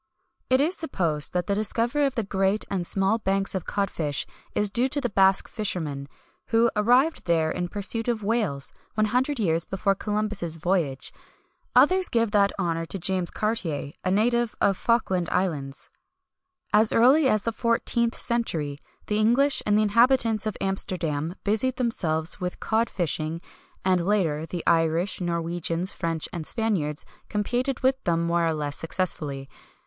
[XXI 158] It is supposed that the discovery of the great and small banks of cod fish is due to the Basque fishermen, who arrived there in pursuit of whales, one hundred years before Columbus' voyage. Others give that honour to James Cartier, a native of Falkland Islands. "As early as the 14th century, the English and the inhabitants of Amsterdam busied themselves with cod fishing; and later, the Irish, Norwegians, French, and Spaniards competed with them more or less successfully.